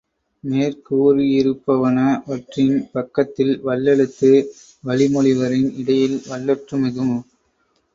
மேற் கூறியிருப்பனவற்றின் பக்கத்தில் வல்லெழுத்து வருமொழிவரின் இடையில் வல்லொற்று மிகும்.